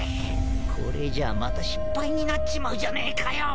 これじゃあまた失敗になっちまうじゃねえかよ。